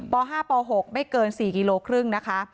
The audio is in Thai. ป๕ป๖ไม่เกิน๔๕กิโลนะคะ